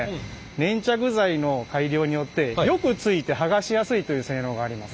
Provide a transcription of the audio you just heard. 粘着剤の改良によってよくついてはがしやすいという性能があります。